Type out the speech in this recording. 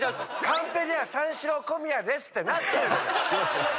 カンペでは「三四郎小宮です」ってなってる。